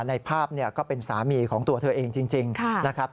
ในภาพก็เป็นสามีของตัวเธอเองจริงนะครับ